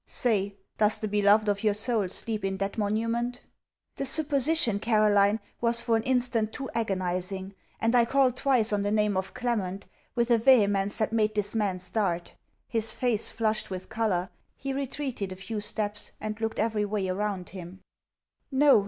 Say, does the beloved of your soul sleep in that monument?' The supposition, Caroline, was for an instant too agonizing; and I called twice on the name of Clement, with a vehemence that made this man start. His face flushed with colour; he retreated a few steps, and looked every way around him.